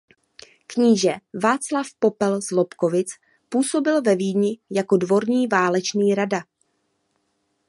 Kníže Václav Popel z Lobkovic působil ve Vídni jako dvorní válečný rada.